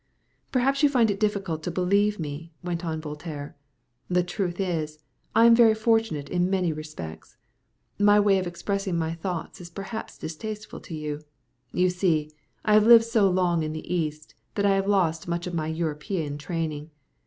"Perhaps you find it difficult to believe me," went on Voltaire. "The truth is, I am very unfortunate in many respects. My way of expressing my thoughts is perhaps distasteful to you. You see, I have lived so long in the East that I have lost much of my European training.